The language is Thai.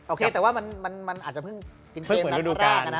แต่ว่ามันอาจจะเพิ่งกินเกมนัดแรกนะ